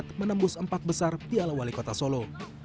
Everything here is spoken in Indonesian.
dapat menembus empat besar piala wali kota solo